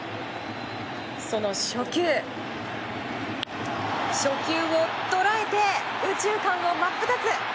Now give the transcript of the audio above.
その初球初球を捉えて右中間を真っ二つ！